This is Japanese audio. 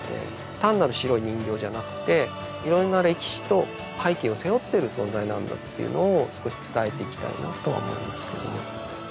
単なる白い人形じゃなくていろんな歴史と背景を背負ってる存在なんだっていうのを少し伝えていきたいなとは思いますけども。